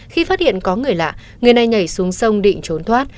khi phát hiện có người lạ người này nhảy xuống sông định trốn thoát